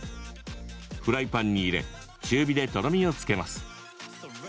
フライパンに入れ中火でとろみをつけます。